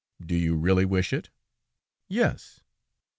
"Do you really wish it?" "Yes."